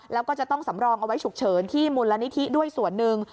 แล้วก็จะต้องสำรองเอาไว้ฉุกเฉินที่มูลนิธิด้วยส่วนหนึ่ง